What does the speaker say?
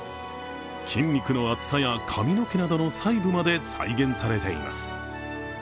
筋肉の厚さや髪の毛などの細部まで再現されています。